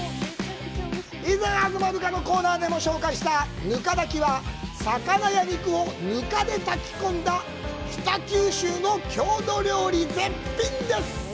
以前東留伽のコーナーでも紹介したぬか炊きは魚や肉をぬかで炊き込んだ北九州の郷土料理です。